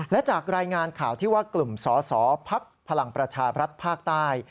และจากรายงานข่าวที่ว่ากลุ่มสอสอภักดิ์พลังประชาบรัฐภาคใต้